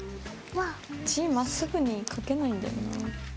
字まっすぐに書けないんだよな。